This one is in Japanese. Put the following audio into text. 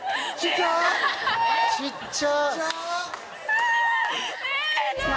小っちゃ！